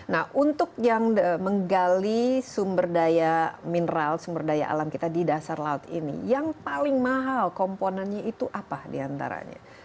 nah untuk yang menggali sumber daya mineral sumber daya alam kita di dasar laut ini yang paling mahal komponennya itu apa diantaranya